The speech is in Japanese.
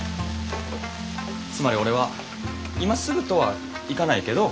つまり俺は今すぐとはいかないけど。